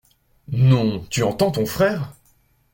Non, tu entends ton frère ?